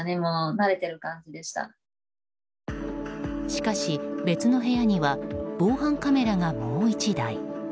しかし、別の部屋には防犯カメラがもう１台。